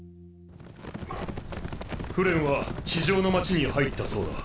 フレンは地上の町に入ったそうだ。